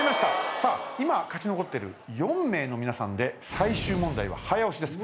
さあ今勝ち残ってる４名の皆さんで最終問題は早押しです。